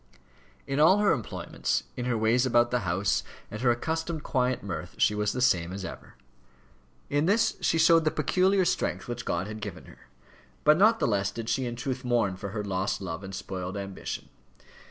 In all her employments, in her ways about the house, and her accustomed quiet mirth, she was the same as ever. In this she showed the peculiar strength which God had given her. But not the less did she in truth mourn for her lost love and spoiled ambition.